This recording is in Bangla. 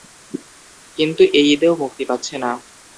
কিন্তু এই ঈদেও মুক্তি পাচ্ছে না।